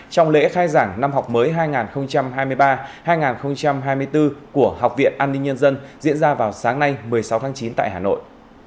trong lễ khai giảng năm học mới hai nghìn hai mươi ba hai nghìn hai mươi bốn của học viện an ninh nhân dân diễn ra vào sáng nay một mươi sáu tháng chín tại hà nội